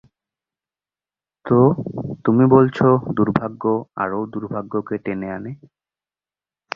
তো, তুমি বলছো দুর্ভাগ্য আরও দুর্ভাগ্যকে টেনে আনে?